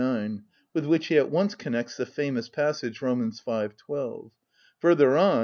9, with which he at once connects the famous passage, Rom. v. 12. Further on, c.